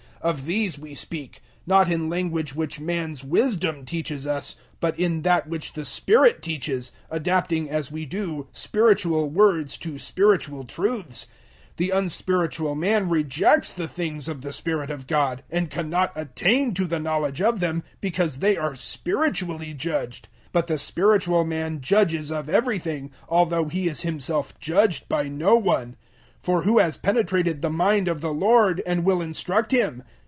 002:013 Of these we speak not in language which man's wisdom teaches us, but in that which the Spirit teaches adapting, as we do, spiritual words to spiritual truths. 002:014 The unspiritual man rejects the things of the Spirit of God, and cannot attain to the knowledge of them, because they are spiritually judged. 002:015 But the spiritual man judges of everything, although he is himself judged by no one. 002:016 For who has penetrated the mind of the Lord, and will instruct Him?